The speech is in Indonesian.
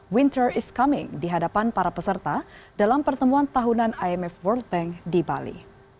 winter is coming di hadapan para peserta dalam pertemuan tahunan imf world bank di bali